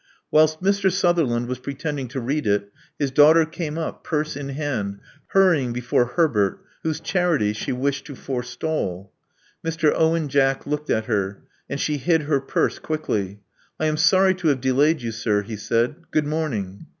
Whilst Mr. Sutherland was pretending to read it, his daughter came up, purse in hand, hurrying before Herbert, whose charity she wished to forestall. Mr. Owen Jack looked at her; and she hid her purse quickly. I am sorry to have delayed you, sir," he said. Good morning."